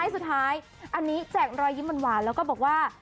สุดท้ายอันนี้แจกรอยยิ้มหวานแล้วก็บอกว่า